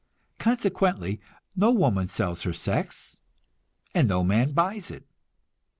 Consequently, no woman sells her sex, and no man buys it.